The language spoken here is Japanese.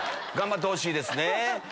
頑張ってほしいですね。